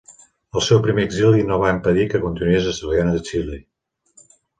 El seu primer exili no va impedir que continués estudiant a Xile.